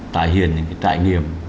tại hiền những cái trải nghiệm